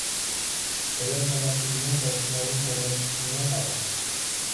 تەييار تاماقنى يېمەي، باشقىلاردىن تەمە كۈتكىنىنى قارا!